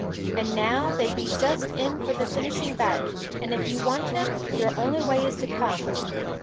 And now they be just in for the finishing bout, and if you want him, your only way is to come.